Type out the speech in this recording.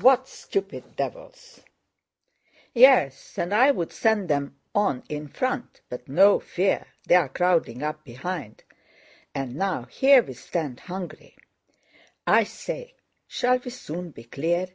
What stupid devils!" "Yes, I'd send them on in front, but no fear, they're crowding up behind. And now here we stand hungry." "I say, shall we soon be clear?